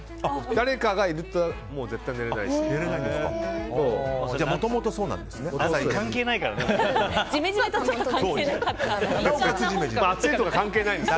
誰かがいると絶対に寝れないので。